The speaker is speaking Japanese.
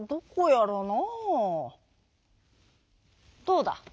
どうだ。